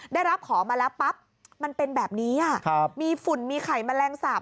ได้รับของมาแล้วปั๊บมันเป็นแบบนี้มีฝุ่นมีไข่แมลงสาป